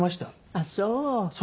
あっそう。